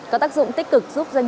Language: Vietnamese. có tác dụng tích cực giúp doanh nghiệp